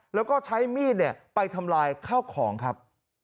แล้วก็ใช้มีดไปทำลายข้าวของครับ